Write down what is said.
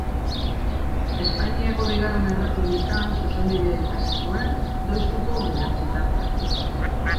Espainiako Bigarren Errepublikan Zuzenbidea ikasi zuen, Deustuko Unibertsitatean.